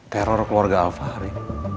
teror keluarga alvari